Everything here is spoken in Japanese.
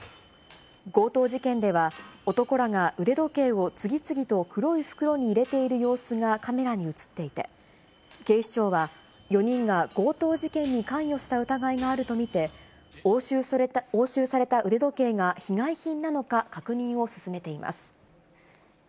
強盗事件では、男らが腕時計を次々と黒い袋に入れている様子がカメラに写っていて、警視庁は４人が強盗事件に関与した疑いがあると見て、押収された腕時計が被害品なのか確認を進めています。